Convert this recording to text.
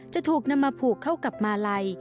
จะถูกนำมาผูกเข้ากับมาลัย